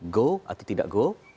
go atau tidak go